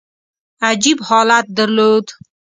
عجیب حالت درلود.